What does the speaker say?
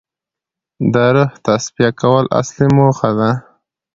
د روح تصفیه کول اصلي موخه ده.